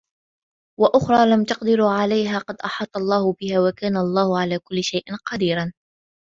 وأخرى لم تقدروا عليها قد أحاط الله بها وكان الله على كل شيء قديرا